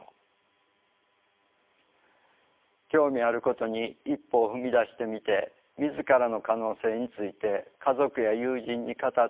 興味あることに一歩を踏み出してみて自らの可能性について家族や友人に語って聞いてもらう。